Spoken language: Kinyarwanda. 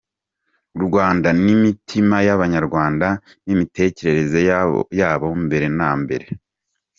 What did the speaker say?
U Rwanda nimitima yabanyarwanda, nimitekerereze yabo mbere nambere.